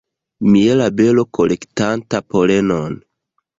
Mielabelo kolektanta polenon.